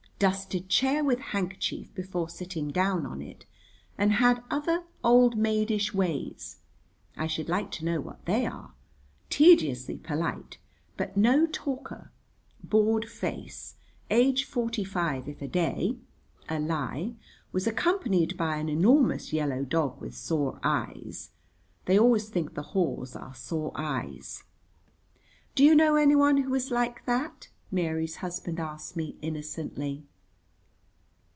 dusted chair with handkerchief before sitting down on it, and had other oldmaidish ways (I should like to know what they are); tediously polite, but no talker; bored face; age forty five if a day (a lie); was accompanied by an enormous yellow dog with sore eyes. (They always think the haws are sore eyes.) "Do you know anyone who is like that?" Mary's husband asked me innocently.